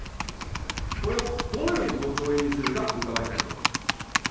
これをどのように５兆円にするか、伺いたいと思います。